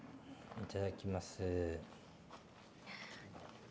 いただきます。